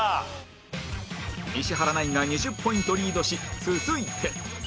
石原ナインが２０ポイントリードし続いて